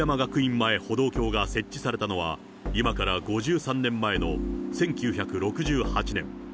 前歩道橋が設置されたのは、今から５３年前の１９６８年。